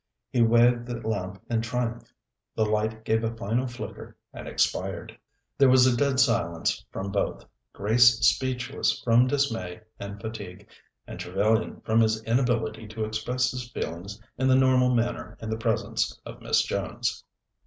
He waved the lamp in triumph; the light gave a final flicker and expired. There was a dead silence from both, Grace speechless from dismay and fatigue, and Trevellyan from his inability to express his feelings in the normal manner in the presence of Miss Jones.